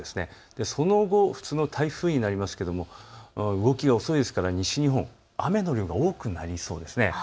その後、普通の台風になりますけれど動きが遅いですから西日本、雨の量、多くなります。